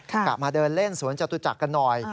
กลับมาเดินเล่นสวนจตุจักรกันหน่อย